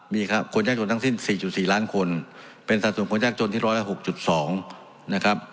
มีครับคนยากจนทั้งสิ้น๔๔ล้านคนเป็นสัดส่วนคนยากจนที่ร้อยละ๖๒นะครับ